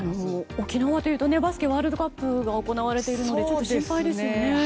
沖縄というとバスケワールドカップが行われているのでちょっと心配ですね。